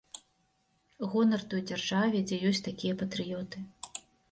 Гонар той дзяржаве, дзе ёсць такія патрыёты.